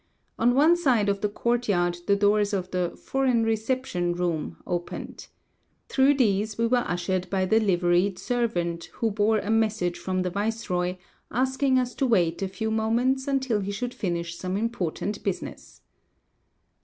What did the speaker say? On one side of the courtyard the doors of the "foreign reception" room opened. Through these we were ushered by the liveried servant, who bore a message from the viceroy, asking us to wait a few moments until he should finish some important business.